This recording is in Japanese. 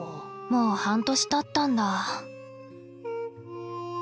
もう半年たったんだ。